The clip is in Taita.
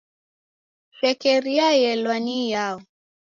Shekeria yelwa ni iyao?